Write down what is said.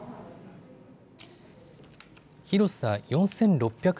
広さ４６００